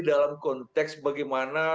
dalam konteks bagaimana